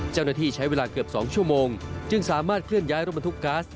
เจ้าหน้าที่ใช้เวลาเกือบ๒ชั่วโมงจึงสามารถเคลื่อนย้ายรถบรรทุกก๊าซ